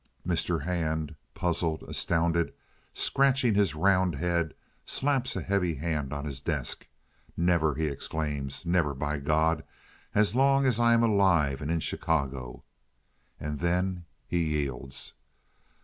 Mr. Hand, puzzled, astounded, scratching his round head, slaps a heavy hand on his desk. "Never!" he exclaims. "Never, by God—as long as I am alive and in Chicago!" And then he yields.